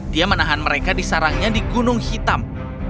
dia menahan mereka di sarangnya di gunung hitam